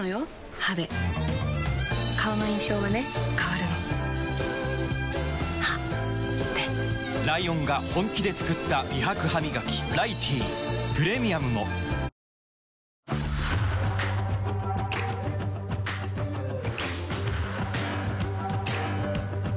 歯で顔の印象はね変わるの歯でライオンが本気で作った美白ハミガキ「ライティー」プレミアムもただいま。